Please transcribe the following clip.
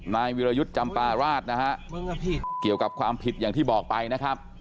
นายวิรยุทธ์จำปาราชนะฮะเกี่ยวกับความผิดอย่างที่บอกไปนะครับ